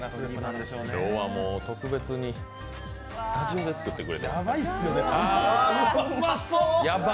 今日は特別にスタジオで作ってくれてます。